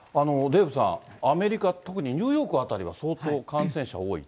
デーブさん、アメリカ、特にニューヨーク辺りは、相当感染者多い？